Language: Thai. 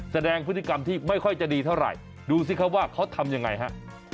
แสดงพฤติกรรมที่ไม่ค่อยจะดีเท่าไหร่ดูสิครับว่าเขาทำยังไงฮะ